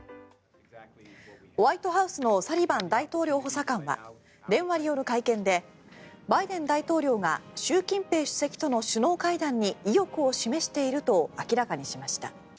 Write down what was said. ホワイトハウスのサリバン大統領補佐官は電話による会見でバイデン大統領が習近平主席との首脳会談に意欲を示していると明らかにしました。